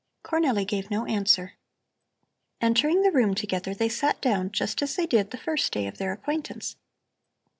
Cornelli gave no answer. Entering the room together they sat down just as they did the first day of their acquaintance.